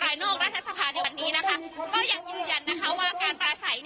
ยกเลิกนี้